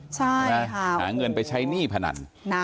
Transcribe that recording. ใช่ค่ะหาเงินไปใช้หนี้พนัน